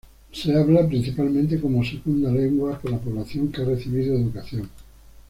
Se habla principalmente como segunda lengua por la población que ha recibido educación.